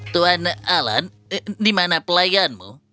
tuan alan di mana pelayanmu